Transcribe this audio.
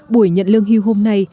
buổi nhận lương hưu hôm nay